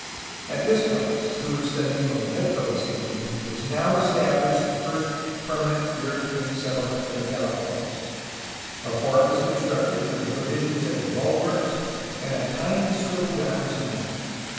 At this place, to which the name Loreto was given, was now estabhshed the first permanent European settle ment of the Californias. A fort was constructed, with the provisions as bulwarks, and a tiny swivel gun was mounted.